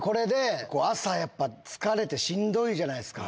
朝やっぱ疲れてしんどいじゃないですか。